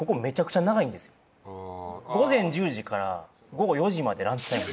午前１０時から午後４時までランチタイム。